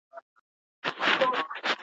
چې کله راتلې ماته وایه.